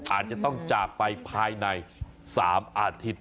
อาจจะต้องจากไปภายใน๓อาทิตย์